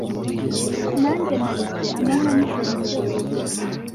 Nanjye narize amanywa nijoro ryose